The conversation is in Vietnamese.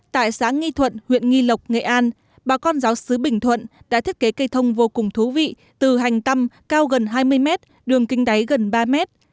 tại xã nghi thuận huyện nghi lộc nghệ an bà con giáo sứ bình thuận đã thiết kế cây thông vô cùng thú vị từ hành tâm cao gần hai mươi mét đường kinh đáy gần ba mét